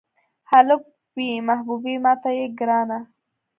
هلک ووې محبوبې ماته یې ګرانه.